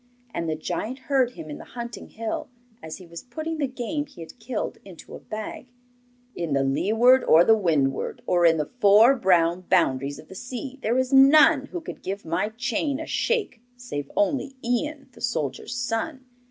And the giant heard him in the hunting hill, as he was putting the game he had killed into a bag. 'In the leeward, or the windward, or in the four brown boundaries of the sea, there is none who could give my chain a shake save only Ian, the soldier's son.